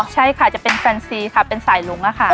ใช่ค่ะจะเป็นแฟนซีค่ะเป็นสายลุ้งค่ะ